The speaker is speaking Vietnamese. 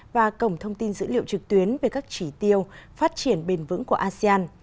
và cổng thông tin dữ liệu trực tuyến về các chỉ tiêu phát triển bền vững của asean